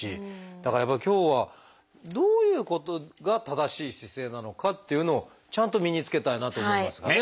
だからやっぱ今日はどういうことが正しい姿勢なのかっていうのをちゃんと身につけたいなと思いますがね。